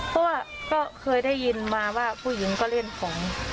เพราะว่าก็เคยได้ยินมาว่าผู้หญิงก็เล่นของ